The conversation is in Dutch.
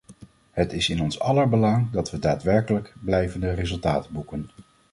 Het is in ons aller belang dat we daadwerkelijk blijvende resultaten boeken.